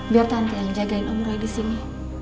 biar tante yang jagain om rai disini